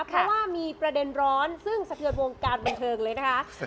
เพราะว่ามีประเด็นร้อนซึ่งสะเทือนวงการบันเทิงเลยนะคะ